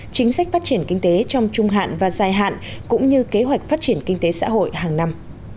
chính sách phát triển kinh tế trong trung hạn và dài hạn cũng như kế hoạch phát triển kinh tế xã hội hàng năm